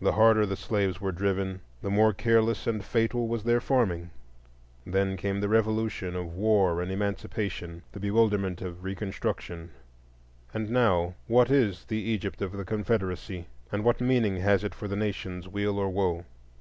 The harder the slaves were driven the more careless and fatal was their farming. Then came the revolution of war and Emancipation, the bewilderment of Reconstruction,—and now, what is the Egypt of the Confederacy, and what meaning has it for the nation's weal or woe?